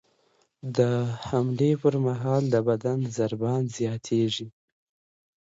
د حملې پر مهال د بدن ضربان زیاتېږي.